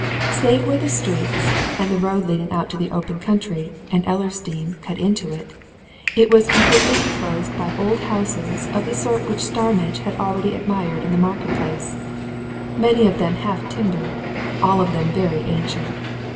Save where the streets, and the road leading out to the open country and Ellersdeane cut into it, it was completely enclosed by old houses of the sort which Starmidge had already admired in the Market Place: many of them half timbered, all of them very ancient.